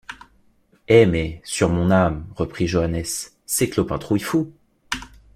Eh mais, sur mon âme, reprit Joannes, c’est Clopin Trouillefou.